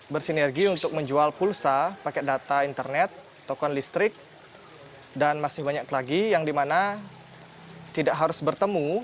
bersinergi untuk menjual pulsa pakai data internet token listrik dan masih banyak lagi yang dimana tidak harus bertemu